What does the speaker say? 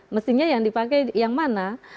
mestinya yang dipakai yang mana